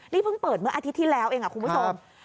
นี่เพิ่งเปิดเมื่ออาทิตย์ที่แล้วเองคุณผู้ชม